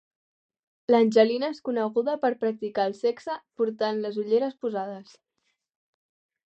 L'Angelina és coneguda per practicar el sexe portant les ulleres posades.